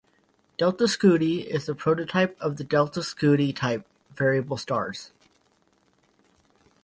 Delta Scuti is the prototype of the Delta Scuti type variable stars.